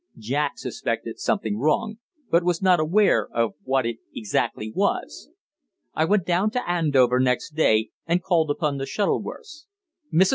Jack suspected something wrong, but was not aware of what it exactly was. I went down to Andover next day and called upon the Shuttleworths. Mrs.